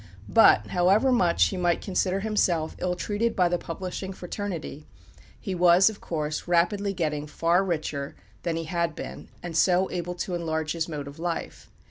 But however much he might consider himself ill treated by the publishing fraternity, he was, of course, rapidly getting far richer than he had been, and so able to enlarge his mode of life.